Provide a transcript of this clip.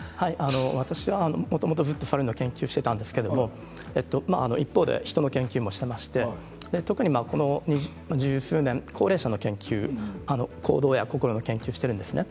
私は、もともとずっと猿の研究をしていたんですけど一方でヒトの研究もしていまして特にこの十数年高齢者の研究行動や心の研究をしているんですね。